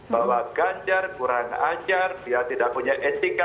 bahwa ganjar kurang ajar dia tidak punya etika